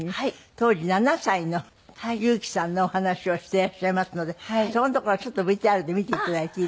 当時７歳の憂樹さんのお話をしていらっしゃいますのでそこのところちょっとＶＴＲで見て頂いていいですか？